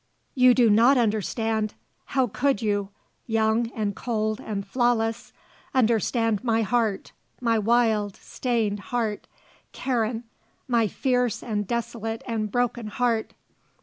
"You do not understand. How could you young and cold and flawless understand my heart, my wild, stained heart, Karen, my fierce and desolate and broken heart.